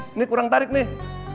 ini kurang tarik nih